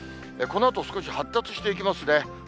このあと少し発達していきますね。